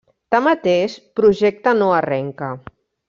Tanmateix, projecte no arrenca.